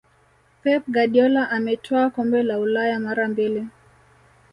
pep guardiola ametwaa kombe la ulaya mara mbili